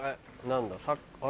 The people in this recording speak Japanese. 何だ。